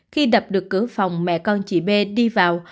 khi đập được cửa phòng mẹ con chị bê đi vào